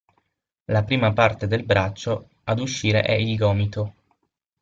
La prima parte del braccio ad uscire è il gomito.